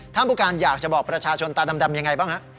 ผู้การอยากจะบอกประชาชนตาดำยังไงบ้างฮะ